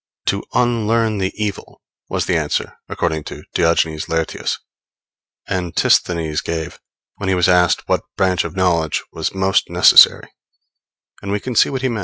To unlearn the evil was the answer, according to Diogenes Laertius, Antisthenes gave, when he was asked what branch of knowledge was most necessary; and we can see what he meant.